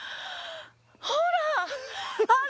ほらあれ！